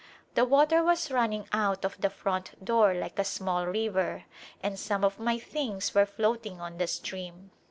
The water was running out of the front door like a small river and some of my things were floating on the stream.